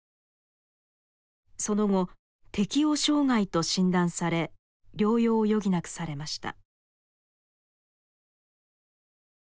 その後適応障害と診断され療養を余儀なくされました。